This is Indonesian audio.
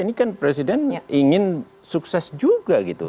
ini kan presiden ingin sukses juga gitu